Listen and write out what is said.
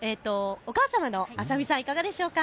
それでは２人のお母様の麻美さん、いかがでしょうか。